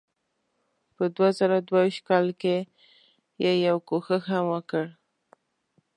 په دوه زره دوه ویشت کال کې یې یو کوښښ هم وکړ.